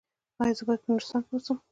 ایا زه باید په نورستان کې اوسم؟